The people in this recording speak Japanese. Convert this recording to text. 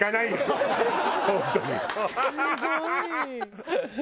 すごい！